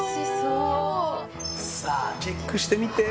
さあチェックしてみて。